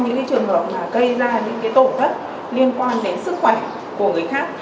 trong những trường hợp gây ra những tổn thất liên quan đến sức khỏe của người khác